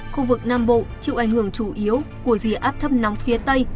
khu vực nam bộ chịu ảnh hưởng chủ yếu của rìa áp thấp nóng phía tây